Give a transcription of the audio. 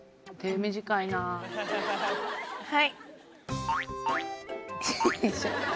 はい。